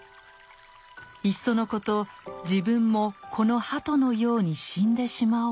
いっそのこと自分もこの鳩のように死んでしまおうか。